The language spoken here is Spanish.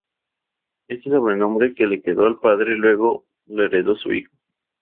Este sobrenombre que le quedó al padre luego lo heredó su hijo.